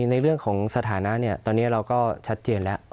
ในเรื่องของสถานะตอนนี้เราก็ชัดเจนแล้ว